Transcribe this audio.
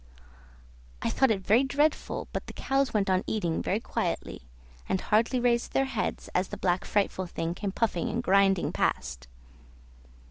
I thought it very dreadful, but the cows went on eating very quietly, and hardly raised their heads as the black frightful thing came puffing and grinding past.